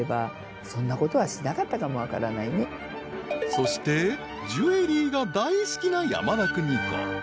［そしてジュエリーが大好きな山田邦子］